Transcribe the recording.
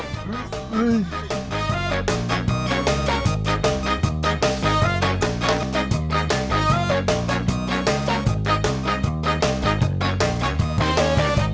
คีย์กูไหลแล้ว